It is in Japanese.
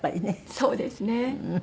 そうですね。